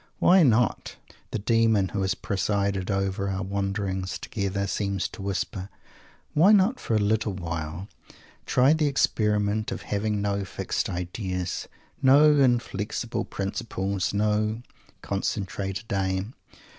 "Why not?" the Demon who has presided over our wanderings together seems to whisper "why not for a little while try the experiment of having no 'fixed ideas,' no 'inflexible principles,' no 'concentrated aim'?